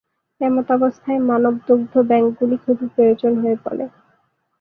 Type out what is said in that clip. এমতাবস্থায় মানব দুগ্ধ ব্যাংকগুলি খুবই প্রয়োজন হয়ে পরে।